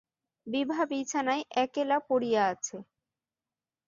বিভা বিছানায় একেলা পড়িয়া আছে।